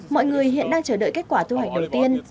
mọi người hiện đang chờ đợi kết quả thu hoạch đầu tiên